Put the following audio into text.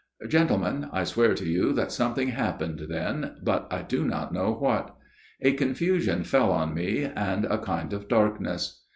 " Gentlemen, I swear to you that something happened then, but I do not know what. A confusion fell on me and a kind of darkness.